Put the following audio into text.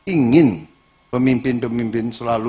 ingin pemimpin pemimpin selalu